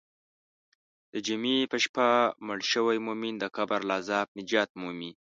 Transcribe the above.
د جمعې په شپه مړ شوی مؤمن د قبر له عذابه نجات مومي.